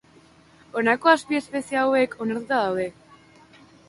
Honako azpiespezie hauek onartuta daude.